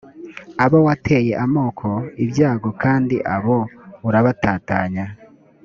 abo wateye amoko ibyago kandi abo urabatatanya